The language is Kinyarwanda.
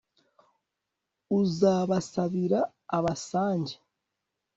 uzabasabira abasange